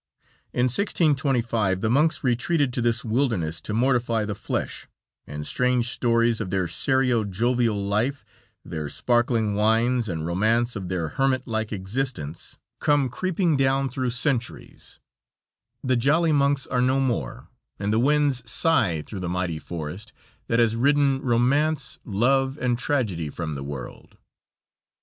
In 1625 the monks retreated to this wilderness to mortify the flesh, and strange stories of their serio jovial life, their sparkling wines and romance of their hermit like existence come creeping down through centuries; the jolly monks are no more, and the winds sigh through the mighty forest that has ridden romance, love and tragedy from the world.